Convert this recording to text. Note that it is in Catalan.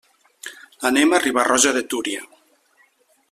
Anem a Riba-roja de Túria.